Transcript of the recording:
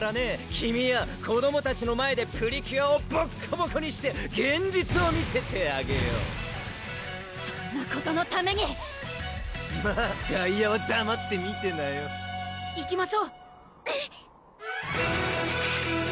君や子どもたちの前でプリキュアをボッコボコにして現実を見せてあげようそんなことのためにまぁ外野はだまって見てなよいきましょう